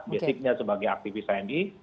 basicnya sebagai aktivis ami